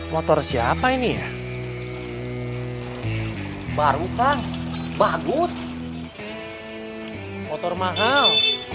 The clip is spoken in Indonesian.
motor siapa ini ya baru kang bagus motor mahal